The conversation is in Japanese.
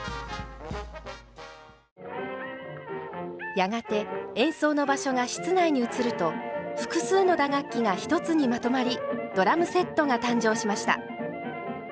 やがて演奏の場所が室内に移ると複数の打楽器が一つにまとまりドラムセットが誕生しました。